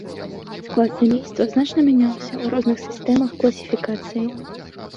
Склад сямейства значна мяняўся ў розных сістэмах класіфікацыі.